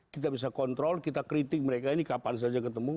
kita bisa kontrol kita kritik mereka ini kapan saja ketemu